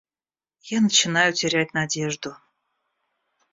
Я начинаю терять надежду.